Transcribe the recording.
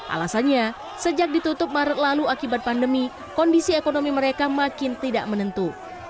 alasannya sejak ditutup maret lalu akibat pandemi kondisi ekonomi mereka makin tidak menentu